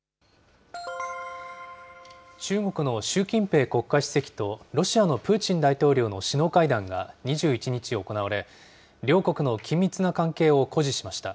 中国の習近平国家主席とロシアのプーチン大統領の首脳会談が２１日行われ、両国の緊密な関係を誇示しました。